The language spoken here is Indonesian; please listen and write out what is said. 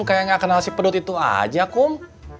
kayak gak kenal si pedot itu aja kum